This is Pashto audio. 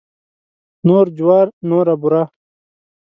نور جوار نوره بوره.